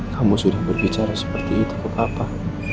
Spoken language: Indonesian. kamu sudah berbicara seperti itu ke papa